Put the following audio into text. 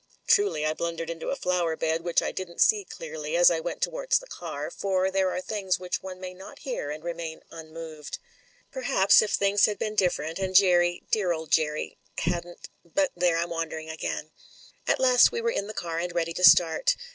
True, I blundered into a flower bed, which I didn't see clearly, as I went towards the car, for there are things which one may not hear and remain unmoved. Perhaps, if things had been differ ent, and Jerry — dear old Jerry — ^hadn't But there, I'm wandering again. At last we were in the car and ready to start.